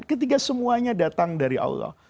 ketika semuanya datang dari allah